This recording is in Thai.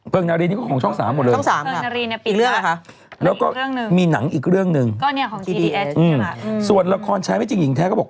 เพลิงนารีนี่ก็ของช่อง๓หมดเลยครับแล้วก็มีหนังอีกเรื่องนึงส่วนละครใช้ไม่จริงอิงแท้ก็บอก